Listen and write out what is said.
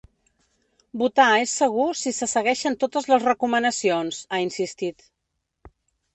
“Votar és segur si se segueixen totes les recomanacions”, ha insistit.